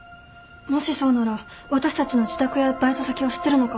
もしそうなら私たちの自宅やバイト先を知ってるのかも。